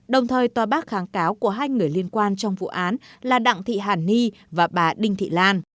đồng thời tòa bác kháng cáo của hai người liên quan trong vụ án là đặng thị hàn ni và bà đinh thị lan